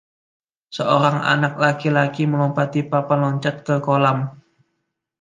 Seorang anak laki-laki melompati papan loncat ke kolam.